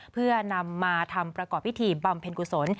เพื่อนำมาทำประกอบพิธีบำเพ็ญกุศล